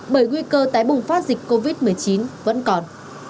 bởi nguy cơ tái bùng phát dịch covid một mươi chín vẫn còn